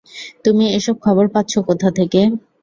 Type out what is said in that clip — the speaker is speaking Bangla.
তুমি এসব খবর পাচ্ছ কোথা থেকে?